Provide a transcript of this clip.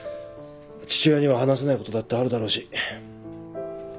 父親には話せないことだってあるだろうし。